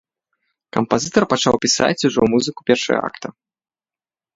Кампазітар пачаў пісаць ужо музыку першага акта.